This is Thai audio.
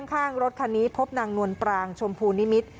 ข้างรถคันนี้พบนางนวลปรางชมพูนิมิตร